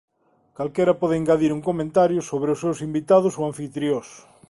Calquera pode engadir un comentario sobre os seus invitados ou anfitrións.